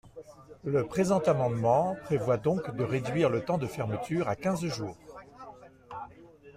Le présent amendement prévoit donc de réduire le temps de fermeture à quinze jours.